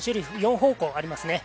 ４方向あります。